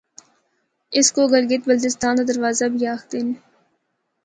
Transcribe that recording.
اسکو گلگت بلتستان دا دروازہ بھی آخدے ہن۔